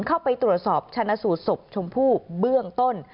เข้าไปตรวจสอบชนะสูตรศพชมพู่เบื้องต้น